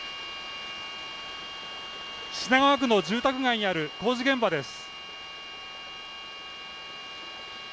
品川区の住宅街にある工事現場です。